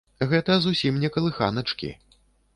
Гэта зусім не калыханачкі.